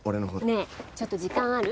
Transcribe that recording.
ねえちょっと時間ある？